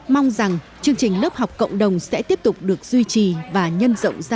mong rằng chương trình lớp học cộng đồng sẽ tiếp tục được duy trì và nhân rộng ra